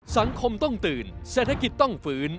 สังคมต้องตื่นเศรษฐกิจต้องฝืน